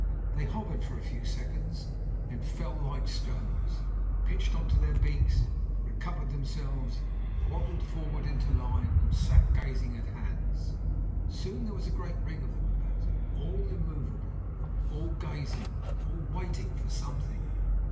They hovered for a few seconds, then fell like stones, pitched on to their beaks, recovered themselves, waddled forward into line, and sat gazing at Hans. Soon there was a great ring of them about him, all immovable, all gazing, all waiting for something.